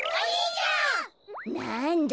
なんだ